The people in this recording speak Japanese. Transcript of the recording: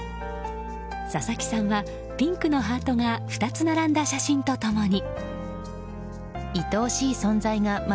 佐々木さんはピンクのハートが２つ並んだ写真と共に。